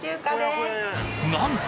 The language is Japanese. なんと！